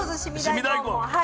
凍み大根。